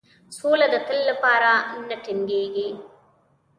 سوله د تل لپاره نه ټینګیږي.